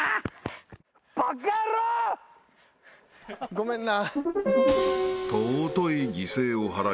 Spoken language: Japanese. ごめんな。